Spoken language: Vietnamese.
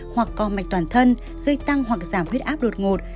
hoặc co mạch toàn thân gây tăng hoặc giảm huyết áp đột ngột